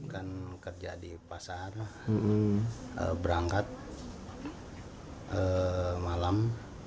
kan kerja di pasar berangkat malam